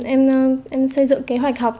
em xây dựng kế hoạch học